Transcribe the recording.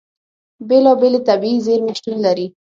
بېلابېلې طبیعي زیرمې شتون لري.